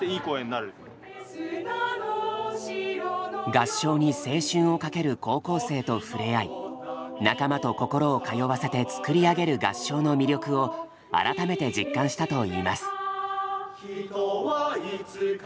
合唱に青春を懸ける高校生と触れ合い仲間と心を通わせて作り上げる合唱の魅力を改めて実感したといいます。